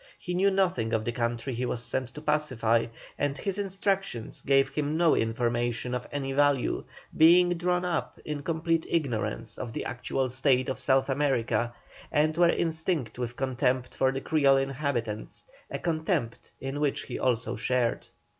He knew nothing of the country he was sent to pacify, and his instructions gave him no information of any value, being drawn up in complete ignorance of the actual state of South America, and were instinct with contempt for the Creole inhabitants, a contempt in which he also shared.